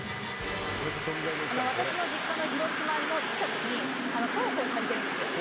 「私の実家の広島の近くに倉庫を借りてるんですよ」